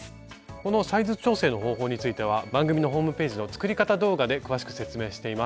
このサイズ調整の方法については番組のホームページの作り方動画で詳しく説明しています。